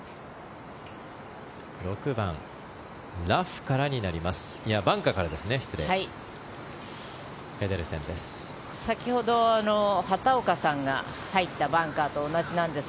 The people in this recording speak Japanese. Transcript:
６番、バンカーからになります。